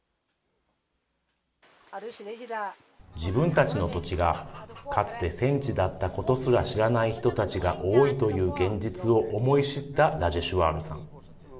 自分たちの土地がかつて戦地だったことすら知らない人たちが多いという現実を思い知ったラジェシュワールさん。